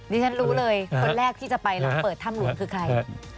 ฉันรู้เลยคนแรกที่จะไปหลังเปิดถ้ำหลวงคือใคร